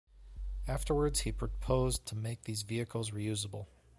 Afterwards he proposed to make these vehicles reusable.